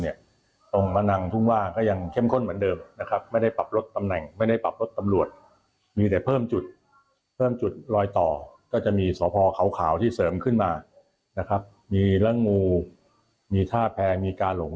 ยกตัวอย่างกว้าวความเป็นไปได้ที่จะหนีไปมาเลเซีย